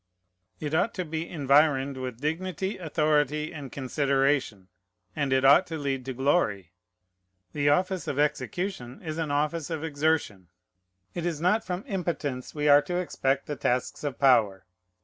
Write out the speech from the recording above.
It ought to be environed with dignity, authority, and consideration, and it ought to lead to glory. The office of execution is an office of exertion. It is not from impotence we are to expect the tasks of power.